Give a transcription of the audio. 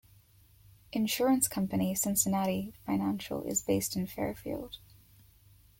Insurance company Cincinnati Financial is based in Fairfield.